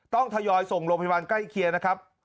ทยอยส่งโรงพยาบาลใกล้เคียงนะครับ